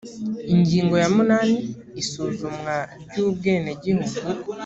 ingingo ya munani isuzumwa ry’ubwenegihugu